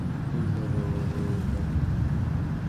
করো করো, উঠাও।